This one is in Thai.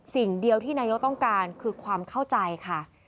สิ่งเดียวที่นายกต้องการคือความเข้าใจค่ะ